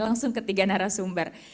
langsung ketiga narasumber